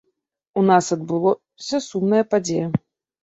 У нас адбылося сумная падзея.